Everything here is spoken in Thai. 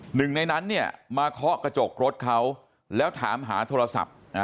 หนึ่งในนั้นเนี่ยมาเคาะกระจกรถเขาแล้วถามหาโทรศัพท์